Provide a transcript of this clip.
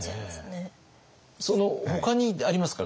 ほかにありますか？